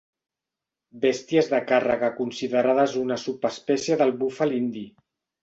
Bèsties de càrrega considerades una subespècie del búfal indi.